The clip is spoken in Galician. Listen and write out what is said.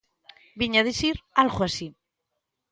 Viña dicir algo así.